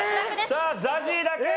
さあＺＡＺＹだけ！